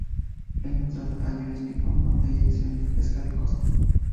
En la entrada hay un espigón donde hay excelente pesca de costa.